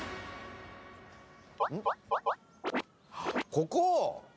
ここ？